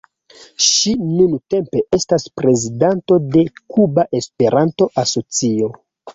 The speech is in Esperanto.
Ŝi nuntempe estas prezidanto de Kuba Esperanto-Asocio.